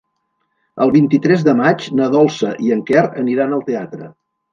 El vint-i-tres de maig na Dolça i en Quer aniran al teatre.